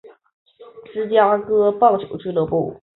芝加哥棒球俱乐部。